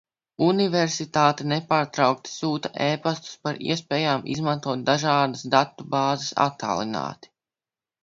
Universitāte nepārtraukti sūta e-pastus par iespējām izmantot dažādas datu bāzes attālināti.